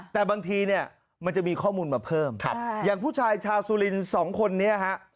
แต่บางทีเนี่ยมันจะมีข้อมูลมาเพิ่มอย่างผู้ชายชาวสุรินทร์สองคนนี้ฮะ